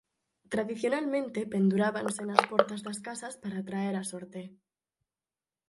Tradicionalmente pendurábanse nas portas das casas para atraer a sorte.